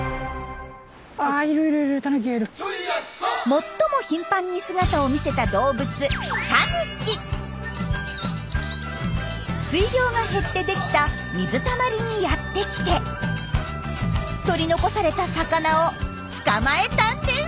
最も頻繁に姿を見せた動物水量が減って出来た水たまりにやって来て取り残された魚を捕まえたんです！